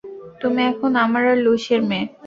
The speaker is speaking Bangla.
তুমি এখন আমার আর লুইসের মেয়ে।